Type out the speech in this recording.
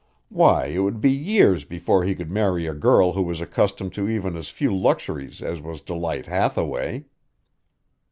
Why, it would be years before he could marry a girl who was accustomed to even as few luxuries as was Delight Hathaway!